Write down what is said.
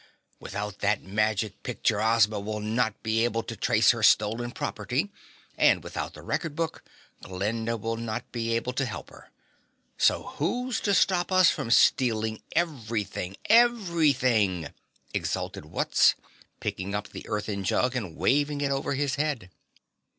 Without that magic picture Ozma will not be able to trace her stolen property, and without the record book, Glinda will not be able to help her. So who's to stop us from stealing everything? Everything!" exulted Wutz, picking up the earthen jug and waving it over his head.